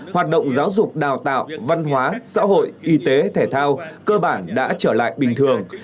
hoạt động giáo dục đào tạo văn hóa xã hội y tế thể thao cơ bản đã trở lại bình thường